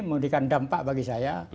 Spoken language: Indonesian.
mendikan dampak bagi saya